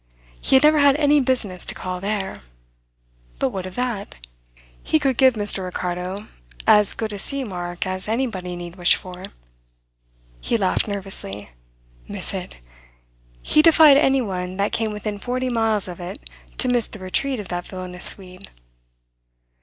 He had never had any business to call there. But what of that? He could give Mr. Ricardo as good a sea mark as anybody need wish for. He laughed nervously. Miss it! He defied anyone that came within forty miles of it to miss the retreat of that villainous Swede.